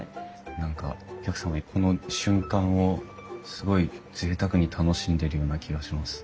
何かお客様がこの瞬間をすごいぜいたくに楽しんでるような気がします。